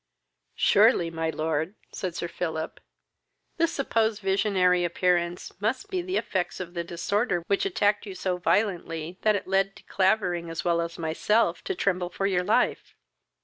"Surely, my lord, (said Sir Philip,) this supposed visionary appearance must be the effects of the disorder which attacked you so violently, that it led De Clavering, as well as myself, to tremble for your life."